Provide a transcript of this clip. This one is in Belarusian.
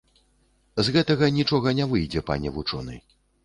З гэтага нічога не выйдзе, пане вучоны.